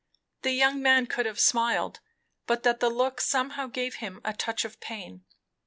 The young man could have smiled, but that the look somehow gave him a touch of pain.